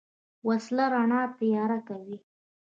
وسله رڼا تیاره کوي